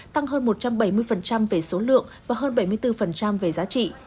tăng hơn một trăm bảy mươi về số lượng và hơn bảy mươi bốn về giá trị